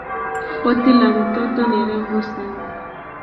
Koti la mtoto ni rembo sana